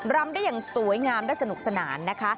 รำได้อย่างสวยงามและสนุกสนานนะคะ